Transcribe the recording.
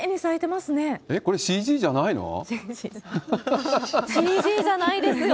これ、ＣＧじゃないですよ。